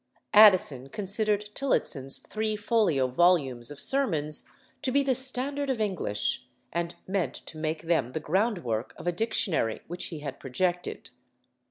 Addison considered Tillotson's three folio volumes of sermons to be the standard of English, and meant to make them the ground work of a dictionary which he had projected.